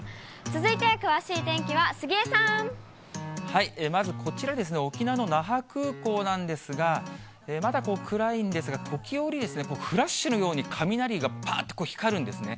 続いて詳しい天気は、杉江さまずこちらですね、沖縄の那覇空港なんですが、まだ暗いんですが、時折、フラッシュのように、雷がぱーっと光るんですね。